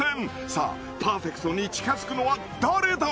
さあパーフェクトに近づくのは誰だ？